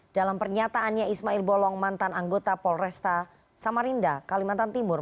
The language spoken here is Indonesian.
dalam pernyataannya ismail bolong mantan anggota polresta samarinda kalimantan timur